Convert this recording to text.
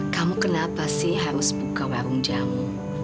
kamu kenapa sih harus buka warung jamu